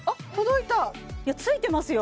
いやついてますよ